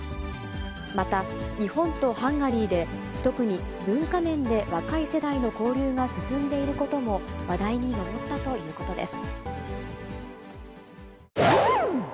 また、日本とハンガリーで、特に文化面で若い世代の交流が進んでいることも、話題に上ったということです。